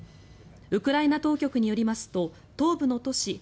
ウクライナ当局によりますと東部の都市